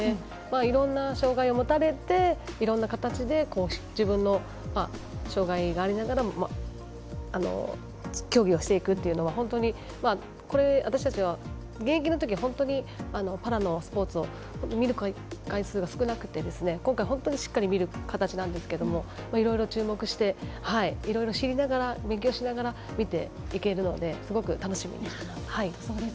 いろんな障がいを持たれていろんな形で、自分の障がいがありながらも競技をしていくというのは私たちは現役のころに本当にパラのスポーツを見る回数が少なくて今回、本当にしっかり見る形なんですがいろいろ注目していろいろ知りながら勉強しながら見ていけるのですごく楽しみにしてます。